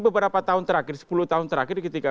beberapa tahun terakhir sepuluh tahun terakhir ketika